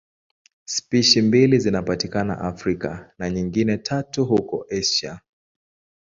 Spishi mbili zinapatikana Afrika na nyingine tatu huko Asia.